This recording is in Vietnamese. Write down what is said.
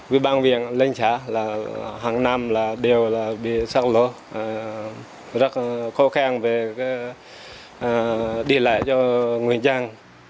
với băng viện lên xã là hàng năm là đều là bị sạt lửa rất khó khăn về cái đi lại cho người dân